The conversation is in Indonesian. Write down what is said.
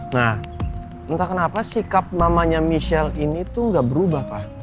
nah entah kenapa sikap namanya michelle ini tuh gak berubah pak